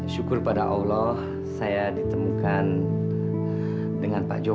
syukur pada allah saya ditemukan dengan pak jokowi